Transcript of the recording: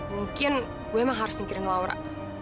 mungkin gue emang harus mikirin laura